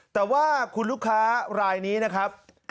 แต่ว่าคุณลูกค้ารายนี้นะครับ